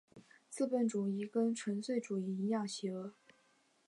资本主义跟纳粹主义一样邪恶。